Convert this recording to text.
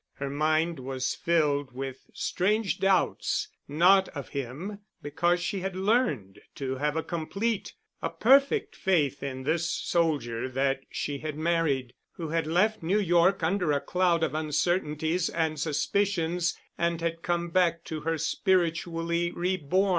Her mind was filled with strange doubts,—not of him, because she had learned to have a complete, a perfect faith in this soldier that she had married, who had left New York under a cloud of uncertainties and suspicions and had come back to her spiritually reborn.